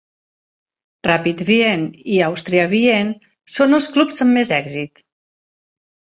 Rapid Wien i Austria Wien són els clubs amb més èxit.